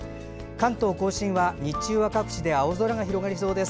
関東・甲信は、日中は各地で青空が広がりそうです。